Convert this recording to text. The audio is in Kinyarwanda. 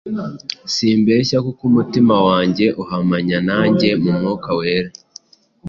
simbeshya, kuko umutima wanjye uhamanya nanjye mu Mwuka Wera,